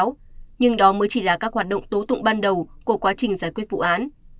nhưng đó mới chỉ là các hoạt động tố tụng ban đầu của quá trình giải quyết vụ án